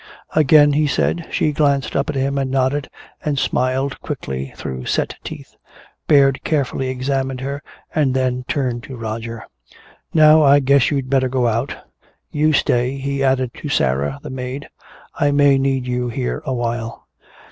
"Again?" he said. She glanced up at him and nodded, and smiled quickly through set teeth. Baird carefully examined her and then turned to Roger: "Now I guess you'd better go out. You stay," he added to Sarah, the maid. "I may need you here awhile."